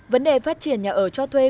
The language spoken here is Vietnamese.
vấn đề phát triển nhà ở cho thuê